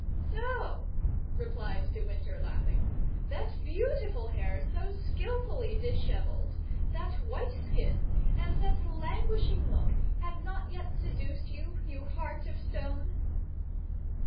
"So," replied de Winter, laughing, "that beautiful hair so skillfully disheveled, that white skin, and that languishing look, have not yet seduced you, you heart of stone?"